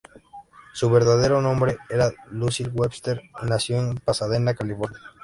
Su verdadero nombre era Lucile Webster, y nació en Pasadena, California.